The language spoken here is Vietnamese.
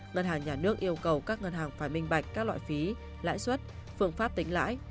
ngân hàng nhà nước yêu cầu các ngân hàng phải minh bạch các loại phí lãi suất phương pháp tính lãi